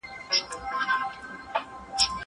مړۍ وخوره!!